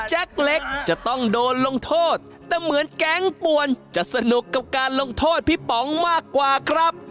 เล็กจะต้องโดนลงโทษแต่เหมือนแก๊งป่วนจะสนุกกับการลงโทษพี่ป๋องมากกว่าครับ